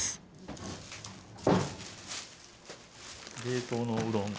冷凍のうどん。